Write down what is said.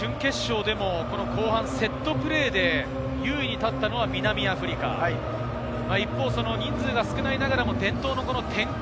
準決勝でも後半、セットプレーで優位に立ったのは南アフリカ、一方、人数が少ないながらも、伝統の展開